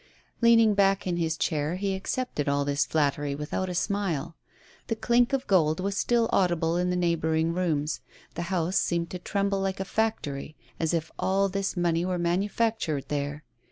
Leaning back in his chair, he accepted all this flattery without a smile. The clink of gold was still audible in the neighboring rooms, the house seemed to tremble like a factory, as if all this money were manufactured there.